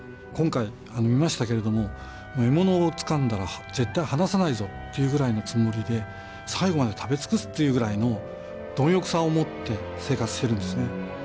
今回見ましたけれども獲物をつかんだら絶対離さないぞというぐらいのつもりで最後まで食べ尽くすというぐらいの貪欲さを持って生活しているんですね。